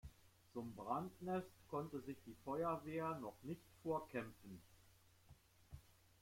Zum Brandnest konnte sich die Feuerwehr noch nicht vorkämpfen.